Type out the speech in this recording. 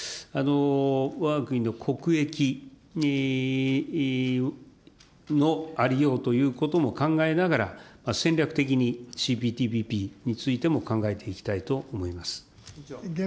わが国の国益のありようということも考えながら、戦略的にＣＰＴＰＰについても考えていきたいと思います。